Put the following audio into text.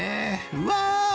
うわ！